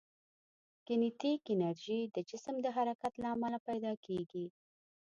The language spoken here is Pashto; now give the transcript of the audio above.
کینیتیک انرژي د جسم د حرکت له امله پیدا کېږي.